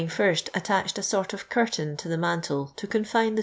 ^l attacised a ^ort i f cnrtain to the niantb* to confine the ».>